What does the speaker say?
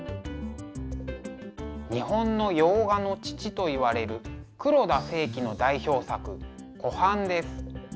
日本の洋画の父といわれる黒田清輝の代表作「湖畔」です。